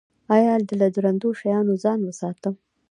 ایا له درندو شیانو ځان وساتم؟